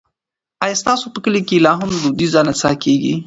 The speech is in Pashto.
ایا ستاسو په کلي کې لا هم دودیزه نڅا کیږي؟